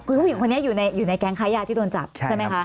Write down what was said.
คุณผู้หญิงคนนี้อยู่ในแก๊งค้ายาที่โดนจับใช่ไหมคะ